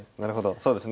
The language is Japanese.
そうですね。